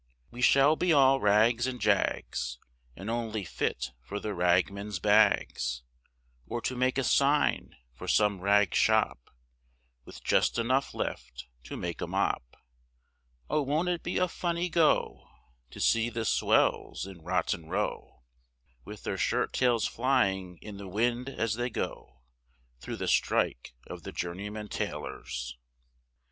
We shall be all rags and jags, And only fit for the ragman's bags, Or to make a sign for some rag shop, With just enough left to make a mop; Oh wont it be a funny go, To see the swells in Rotton Row, With their shirt tails flying in the wind, as they go, Thro' the strike of the Journeymen Tailors.